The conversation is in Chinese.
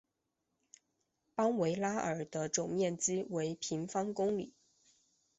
邦维拉尔的总面积为平方公里。